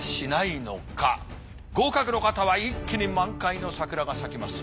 合格の方は一気に満開の桜が咲きます。